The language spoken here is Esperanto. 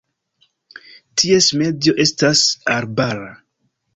Ties medio estas arbara.